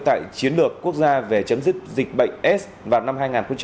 tại chiến lược quốc gia về chấm dứt dịch bệnh aids vào năm hai nghìn ba mươi